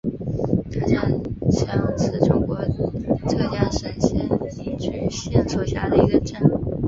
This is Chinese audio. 大战乡是中国浙江省仙居县所辖的一个镇。